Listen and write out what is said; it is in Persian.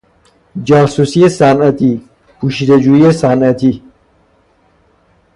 جاسوسی صنعتی، پوشیده جویی صنعتی